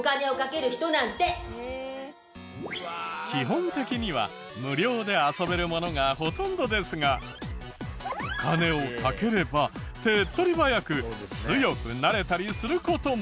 基本的には無料で遊べるものがほとんどですがお金をかければ手っ取り早く強くなれたりする事も。